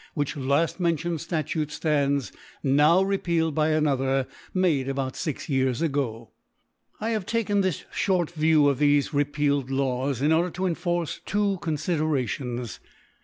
which Jaft mentioned Statute ftands now repealed by another made about fix Years ago *• I have taken this fhorl View of thefe re * pealed Laws, in order to enforce two Con ^ flderations.